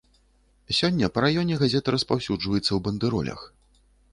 Сёння па раёне газета распаўсюджваецца ў бандэролях.